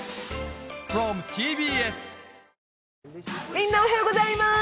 みんな、おはようございます。